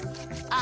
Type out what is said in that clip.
あ！